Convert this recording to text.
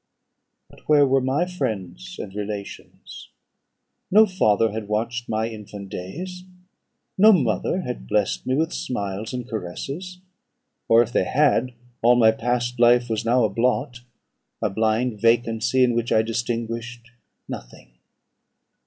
"But where were my friends and relations? No father had watched my infant days, no mother had blessed me with smiles and caresses; or if they had, all my past life was now a blot, a blind vacancy in which I distinguished nothing.